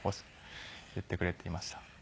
言ってくれていました。